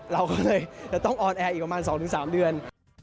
เราก็เลยจะต้องออนแอร์อีกประมาณ๒๓เดือน